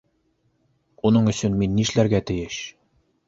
Уның өсөн мин нишләргә тейеш?